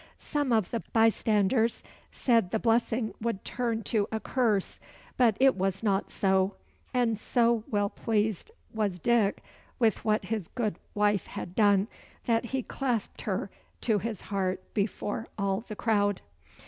Some of the bystanders said the blessing would turn to a curse but it was not so; and so well pleased was Dick with what his good wife had done, that he clasped her to his heart before all the crowd.